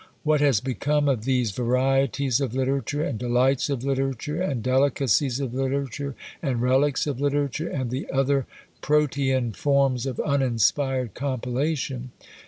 What has become of these "Varieties of Literature," and "Delights of Literature," and "Delicacies of Literature," and "Relics of Literature," and the other Protean forms of uninspired compilation?